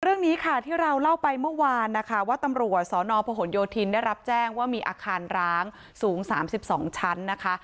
เรื่องนี้ค่ะที่เราเล่าไปเมื่อวานนะคะว่าตำรวจสนพหนโยธินได้รับแจ้งว่ามีอาคารร้างสูง๓๒ชั้นนะคะ